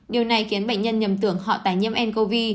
điều này khiến bệnh nhân nhầm tưởng họ tái nhiễm ncov